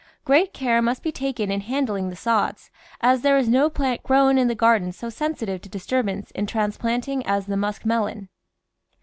Great care must be taken in handling the sods, as there is no plant grown in the garden so sensitive to disturbance in transplanting as the musk melon.